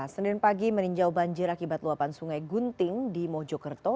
senin pagi meninjau banjir akibat luapan sungai gunting di mojokerto